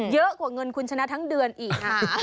เยอะกว่าเงินคุณชนะทั้งเดือนอีก